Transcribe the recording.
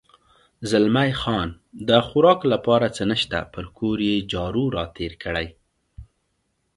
زلمی خان: د خوراک لپاره څه نشته، پر کور یې جارو را تېر کړی.